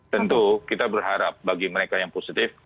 tentu kita berharap bagi mereka yang positif